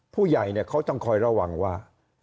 ผู้ใหญ่เขาต้องคอยระวังว่า